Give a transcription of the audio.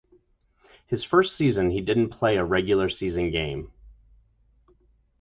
His first season he didn't play a regular season game.